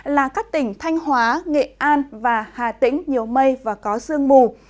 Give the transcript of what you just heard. là các tỉnh thanh hóa nghệ an và hà tĩnh nhiều mây và có sương mù